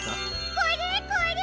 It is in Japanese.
これこれ！